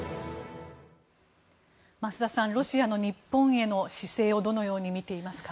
増田さん、ロシアの日本への姿勢をどのように見ていますか。